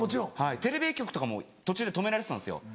テレビ局とかも途中で止められてたんですよ。